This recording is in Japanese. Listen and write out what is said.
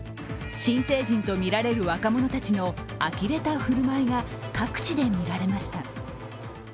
新成人とみられる若者たちのあきれた振る舞いが各地で見られました。